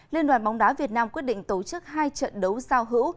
liên đoàn bóng đá việt nam quyết định tổ chức hai trận đấu giao hữu